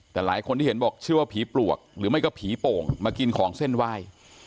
แต่หลายคนที่เห็นบอกเชื่อว่าผีปลวกหรือไม่ก็ผีโป่งมากินของเส้นไหว้